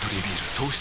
糖質